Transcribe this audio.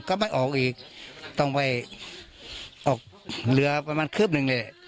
ก็ไม่ออกอีกต้องไปออกเรือประมาณคืบหนึ่งเลย